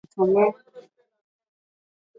unga lishe wako uko tayari kutumia